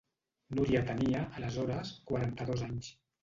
Núria tenia, aleshores, quaranta-dos anys.